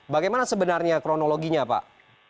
bagaimana sebenarnya kronologinya pak